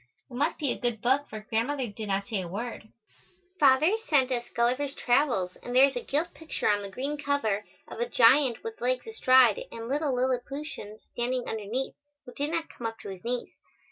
It must be a good book for Grandmother did not say a word. Father sent us "Gulliver's Travels" and there is a gilt picture on the green cover, of a giant with legs astride and little Lilliputians standing underneath, who do not come up to his knees.